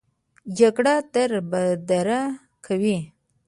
جګړه دربدره کوي